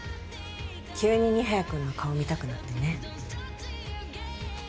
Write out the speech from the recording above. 急に二瓶くんの顔見たくなってね。